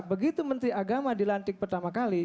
begitu menteri agama dilantik pertama kali